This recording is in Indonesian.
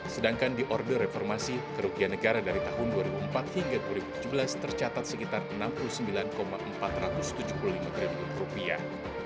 sedangkan di orde reformasi kerugian negara dari tahun dua ribu empat hingga dua ribu tujuh belas tercatat sekitar enam puluh sembilan empat ratus tujuh puluh lima triliun rupiah